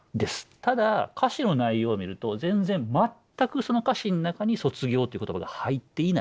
ただ歌詞の内容を見ると全然全くその歌詞の中に「卒業」って言葉が入っていない。